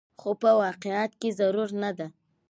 خو په واقعيت کې ضرور نه ده